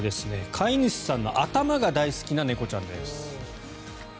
飼い主さんの頭が大好きな猫ちゃんです。